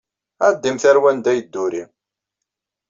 Ɛeddimt ar wanda i yedduri!